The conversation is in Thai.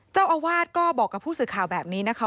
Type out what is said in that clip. เจ้าอาวาสก็บอกกับผู้สื่อข่าวแบบนี้นะคะ